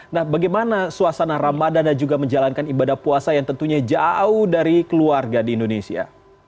nah bagaimana suasana ramadan dan juga menjalankan ibadah puasa yang tentunya jauh dari keluarga di indonesia